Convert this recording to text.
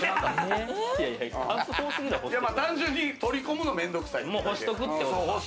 単純に取り込むのが面倒くさい。